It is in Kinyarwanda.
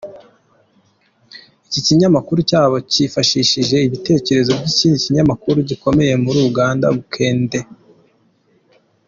Iki kinyamakuru cyabo cyifashishije ibitekerezo by’ikindi kinyamakuru gikomeye muri Uganda Bukedde.